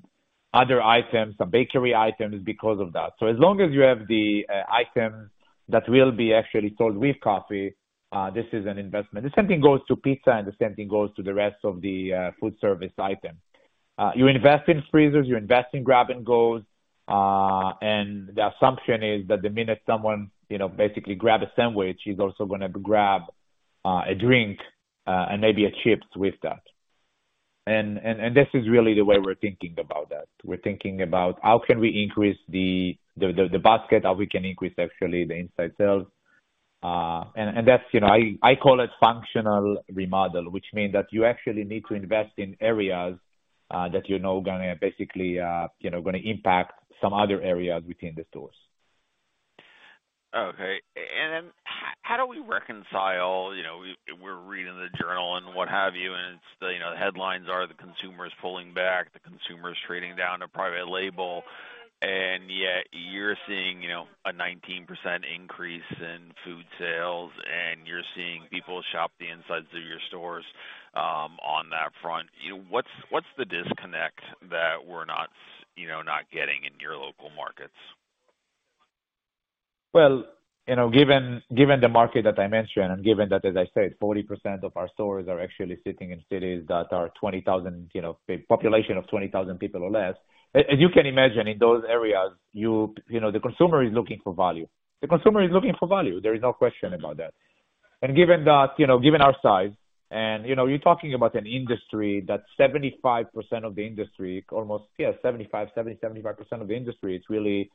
Speaker 3: other items, some bakery items because of that. As long as you have the items that will be actually sold with coffee, this is an investment. The same thing goes to pizza, and the same thing goes to the rest of the food service items. You invest in freezers, you invest in grab and goes, and the assumption is that the minute someone, you know, basically grab a sandwich, he's also gonna grab a drink, and maybe a chips with that. This is really the way we're thinking about that. We're thinking about how can we increase the basket, how we can increase actually the inside sales. That's, you know, I call it functional remodel, which means that you actually need to invest in areas that you know are gonna basically, you know, gonna impact some other areas within the stores.
Speaker 8: Okay. How do we reconcile, you know, we're reading the journal and what have you, and it's, you know, the headlines are the consumer is pulling back, the consumer is trading down to private label, and yet you're seeing, you know, a 19% increase in food sales, and you're seeing people shop the insides of your stores, on that front. You know, what's the disconnect that we're not, you know, not getting in your local markets?
Speaker 3: Well, you know, given the market that I mentioned, given that, as I said, 40% of our stores are actually sitting in cities that are 20,000, you know, population of 20,000 people or less. As you can imagine, in those areas, you know, the consumer is looking for value. The consumer is looking for value. There is no question about that. Given that, you know, given our size and, you know, you're talking about an industry that 75% of the industry, almost, yeah, 75% of the industry, it's really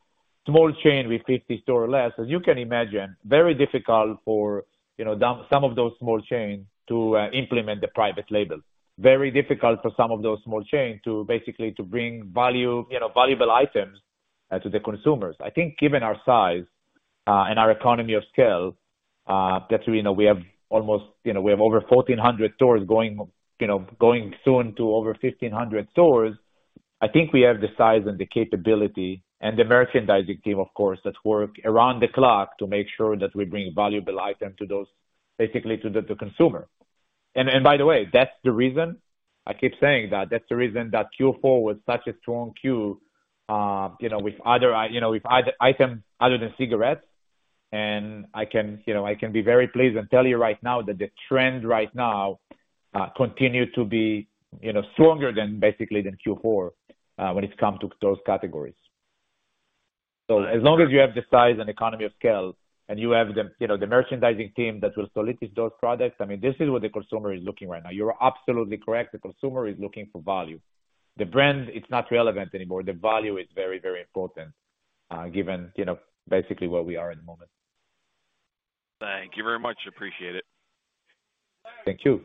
Speaker 3: small chain with 50 store or less. As you can imagine, very difficult for, you know, some of those small chains to implement the private label. Very difficult for some of those small chains to basically to bring value, valuable items to the consumers. I think given our size, and our economy of scale, that's we know we have almost, we have over 1,400 stores going soon to over 1,500 stores. I think we have the size and the capability and the merchandising team, of course, that work around the clock to make sure that we bring valuable items to those, basically to the consumer. By the way, that's the reason I keep saying that's the reason that Q4 was such a strong Q, with other items other than cigarettes. I can be very pleased and tell you right now that the trend right now, continue to be stronger than basically than Q4, when it come to those categories. As long as you have the size and economy of scale and you have the, you know, the merchandising team that will solicit those products, I mean, this is what the consumer is looking right now. You're absolutely correct. The consumer is looking for value. The brand is not relevant anymore. The value is very, very important, given, you know, basically where we are at the moment.
Speaker 8: Thank you very much. Appreciate it.
Speaker 3: Thank you.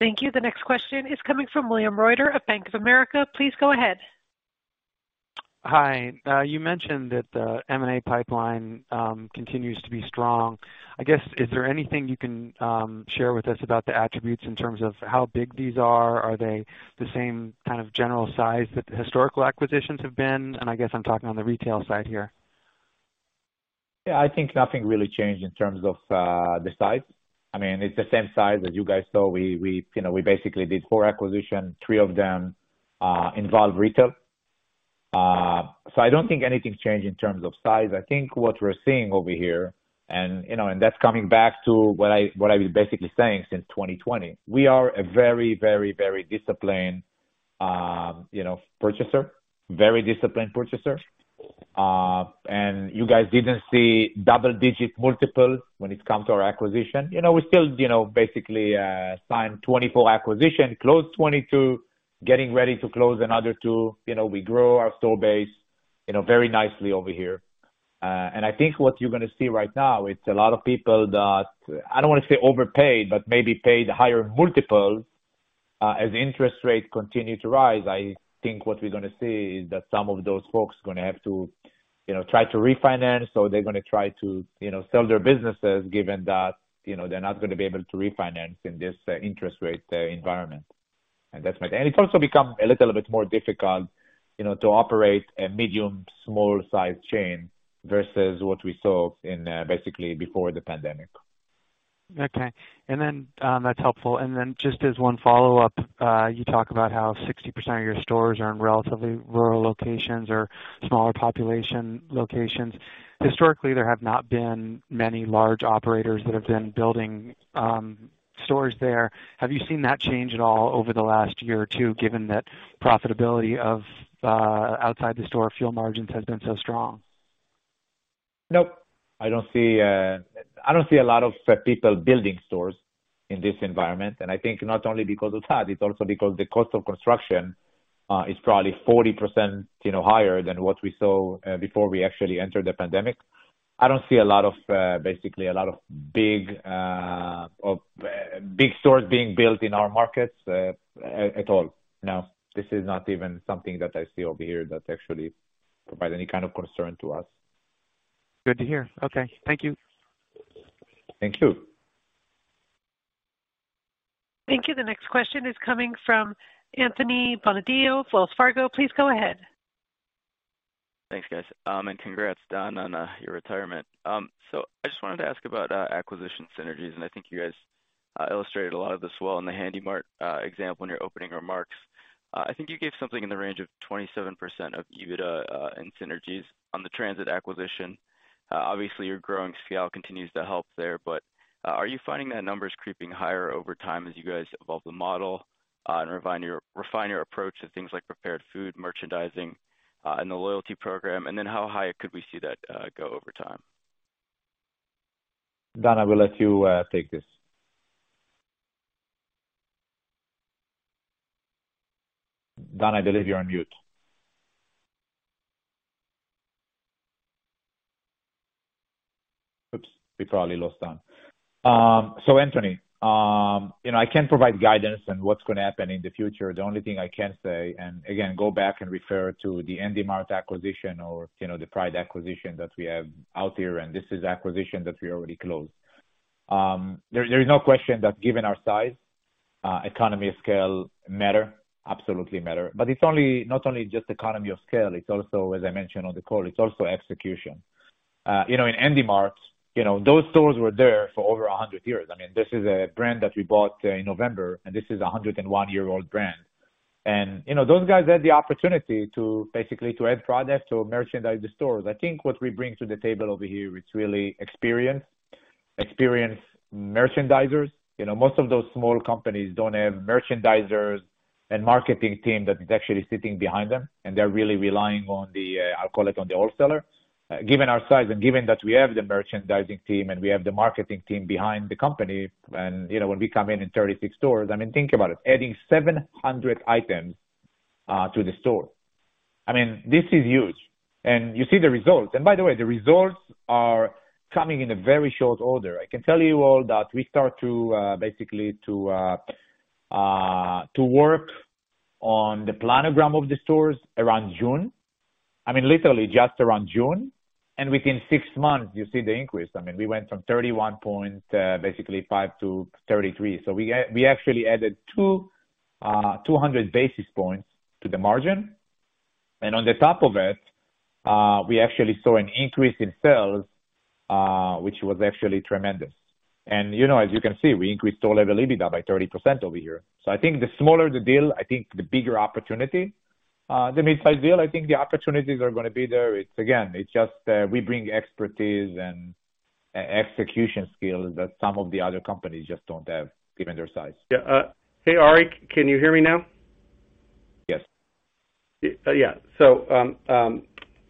Speaker 1: Thank you. The next question is coming from William Reuter at Bank of America. Please go ahead.
Speaker 9: Hi. You mentioned that the M&A pipeline continues to be strong. I guess, is there anything you can share with us about the attributes in terms of how big these are? Are they the same kind of general size that the historical acquisitions have been? I guess I'm talking on the Retail side here.
Speaker 3: I think nothing really changed in terms of the size. I mean, it's the same size that you guys saw. We, you know, we basically did four acquisitions. Three of them involve Retail. I don't think anything changed in terms of size. I think what we're seeing over here and, you know, that's coming back to what I was basically saying since 2020, we are a very, very, very disciplined, you know, purchaser, very disciplined purchaser. You guys didn't see double-digit multiple when it comes to our acquisitions. You know, we still, you know, basically signed 24 acquisitions, closed 22, getting ready to close another two. You know, we grow our store base, you know, very nicely over here. I think what you're gonna see right now, it's a lot of people that I don't want to say overpaid, but maybe paid higher multiple. As interest rates continue to rise, I think what we're gonna see is that some of those folks gonna have to, you know, try to refinance, or they're gonna try to, you know, sell their businesses, given that, you know, they're not gonna be able to refinance in this interest rate environment. It's also become a little bit more difficult, you know, to operate a medium, small size chain vs what we saw in basically before the pandemic.
Speaker 9: Okay. That's helpful. Just as one follow-up, you talk about how 60% of your stores are in relatively rural locations or smaller population locations. Historically, there have not been many large operators that have been building stores there. Have you seen that change at all over the last year or two, given that profitability of outside the store fuel margins has been so strong?
Speaker 3: Nope. I don't see, I don't see a lot of people building stores in this environment. I think not only because of that, it's also because the cost of construction is probably 40%, you know, higher than what we saw before we actually entered the pandemic. I don't see a lot of basically a lot of big stores being built in our markets at all. No. This is not even something that I see over here that actually provide any kind of concern to us.
Speaker 9: Good to hear. Okay. Thank you.
Speaker 3: Thank you.
Speaker 1: Thank you. The next question is coming from Anthony Bonadio, Wells Fargo. Please go ahead.
Speaker 10: Thanks, guys. Congrats, Don, on your retirement. I just wanted to ask about acquisition synergies, and I think you guys illustrated a lot of this well in the Handy Mart example in your opening remarks. I think you gave something in the range of 27% of EBITDA in synergies on the Transit acquisition. Obviously, your growing scale continues to help there, but are you finding that number is creeping higher over time as you guys evolve the model and refine your approach to things like prepared food, merchandising, and the loyalty program? How high could we see that go over time?
Speaker 3: Don, I will let you take this. Don, I believe you're on mute. Oops. We probably lost Don. Anthony, you know, I can't provide guidance on what's gonna happen in the future. The only thing I can say, and again, go back and refer to the Handy Mart acquisition or, you know, the Pride acquisition that we have out there, and this is acquisition that we already closed. There is no question that given our size, economy of scale matter, absolutely matter. It's not only just economy of scale, it's also, as I mentioned on the call, it's also execution. You know, in Handy Marts, you know, those stores were there for over 100 years. I mean, this is a brand that we bought in November, and this is a 101-year-old brand. You know, those guys had the opportunity to basically to add products to merchandise the stores. I think what we bring to the table over here is really experience. Experienced merchandisers. You know, most of those small companies don't have merchandisers and marketing team that is actually sitting behind them, and they're really relying on the, I'll call it on the Wholesaler. Given our size and given that we have the merchandising team and we have the marketing team behind the company, and, you know, when we come in in 36 stores, I mean, think about it, adding 700 items to the store. I mean, this is huge. You see the results. By the way, the results are coming in a very short order. I can tell you all that we start to basically to work on the planogram of the stores around June. I mean, literally just around June. Within six months, you see the increase. I mean, we went from 31.5%-33%. We actually added 200 basis points to the margin. On the top of it, we actually saw an increase in sales, which was actually tremendous. You know, as you can see, we increased store level EBITDA by 30% over here. I think the smaller the deal, I think the bigger opportunity. The mid-size deal, I think the opportunities are gonna be there. It's again, it's just, we bring expertise and execution skills that some of the other companies just don't have, given their size.
Speaker 4: Yeah. Hey, Arik, can you hear me now?
Speaker 3: Yes.
Speaker 4: Yeah. I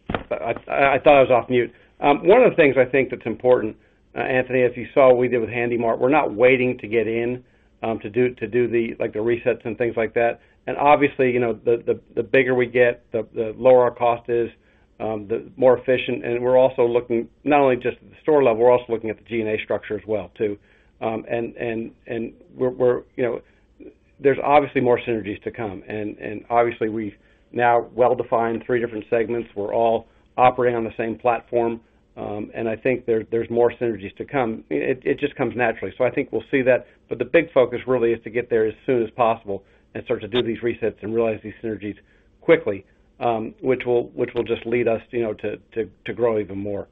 Speaker 4: thought I was off mute. One of the things I think that's important, Anthony, as you saw we did with Handy Mart, we're not waiting to get in to do the, like, the resets and things like that. Obviously, you know, the bigger we get, the lower our cost is, the more efficient. We're also looking not only just at the store level, we're also looking at the G&A structure as well, too. We're, you know... There's obviously more synergies to come, and obviously we've now well-defined three different segments. We're all operating on the same platform. I think there's more synergies to come. It just comes naturally. I think we'll see that. The big focus really is to get there as soon as possible and start to do these resets and realize these synergies quickly, which will just lead us, you know, to grow even more.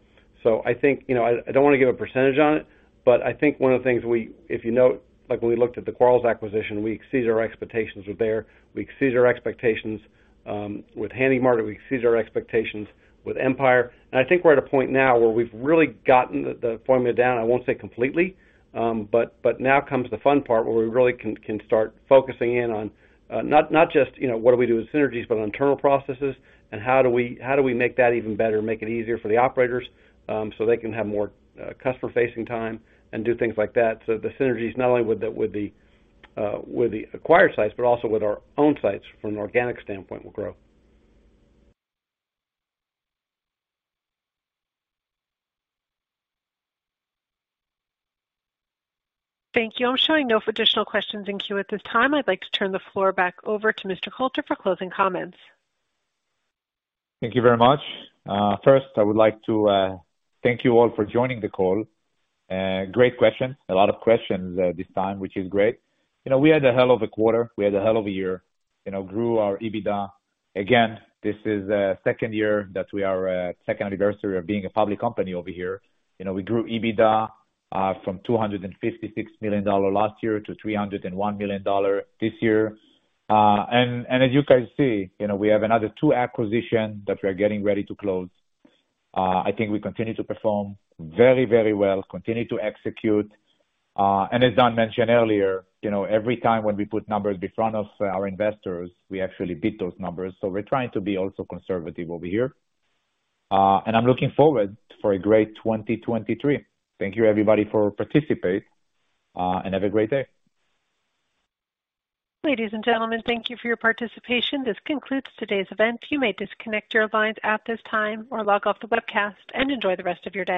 Speaker 4: I think, you know, I don't wanna give a percentage on it, but I think one of the things. If you note, like, when we looked at the Quarles acquisition, we exceeded our expectations with there. We exceeded our expectations with Handy Mart. We exceeded our expectations with Empire. I think we're at a point now where we've really gotten the formula down. I won't say completely, but now comes the fun part where we really can start focusing in on, not just, you know, what do we do with synergies, but on internal processes and how do we make that even better and make it easier for the operators, so they can have more customer-facing time and do things like that. The synergies, not only with the acquired sites, but also with our own sites from an organic standpoint will grow.
Speaker 1: Thank you. I'm showing no additional questions in queue at this time. I'd like to turn the floor back over to Mr. Kotler for closing comments.
Speaker 3: Thank you very much. First, I would like to thank you all for joining the call. Great questions. A lot of questions this time, which is great. You know, we had a hell of a quarter. We had a hell of a year. You know, grew our EBITDA. Again, this is the second year that we are second anniversary of being a public company over here. You know, we grew EBITDA from $256 million last year to $301 million this year. As you can see, you know, we have another two acquisition that we are getting ready to close. I think we continue to perform very, very well, continue to execute. As Don mentioned earlier, you know, every time when we put numbers in front of our investors, we actually beat those numbers. We're trying to be also conservative over here. I'm looking forward for a great 2023. Thank you, everybody, for participate. Have a great day.
Speaker 1: Ladies and gentlemen, thank you for your participation. This concludes today's event. You may disconnect your lines at this time or log off the webcast and enjoy the rest of your day.